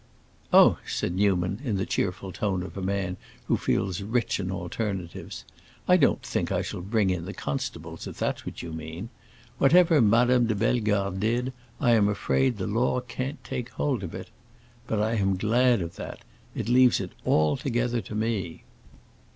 "Oh," said Newman, in the cheerful tone of a man who feels rich in alternatives. "I don't think I shall bring in the constables, if that's what you mean. Whatever Madame de Bellegarde did, I am afraid the law can't take hold of it. But I am glad of that; it leaves it altogether to me!"